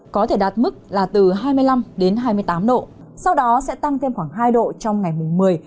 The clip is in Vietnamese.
có thể đạt mức là từ hai mươi năm đến hai mươi tám độ sau đó sẽ tăng thêm khoảng hai độ trong ngày mùng một mươi